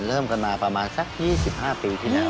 เริ่มกันมาประมาณสัก๒๕ปีที่แล้ว